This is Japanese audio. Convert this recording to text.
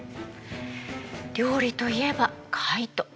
料理といえばカイト。